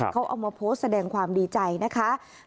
เขาเอามาโพสต์แสดงความดีใจนะคะ